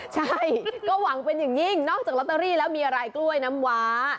ใช่ก็หวังเป็นอย่างยิ่งนอกจากลอตเตอรี่แล้วมีอะไรกล้วยน้ำว้า